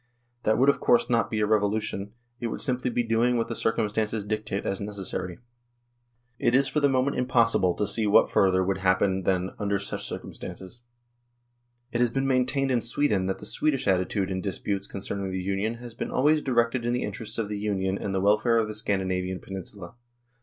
That would of course not be a revolution ; it would simply be doing what the circumstances dictate as necessary. It is for the moment impossible to see THE POLITICAL SITUATION 95 further what would then happen under such circum stances. It has been maintained in Sweden that the Swedish attitude in disputes concerning the Union has been always directed in the interests of the Union and the welfare of the Scandinavian Peninsula.